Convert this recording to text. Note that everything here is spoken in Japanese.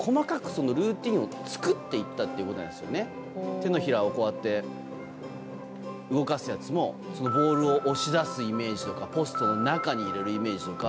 手のひらをこうやって動かすやつもボールを押し出すイメージとかポストの中に入れるイメージとか。